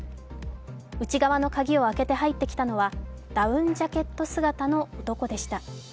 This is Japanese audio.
内側の鍵を開けて入ってきたのは、ダウンジャケット姿の男でした。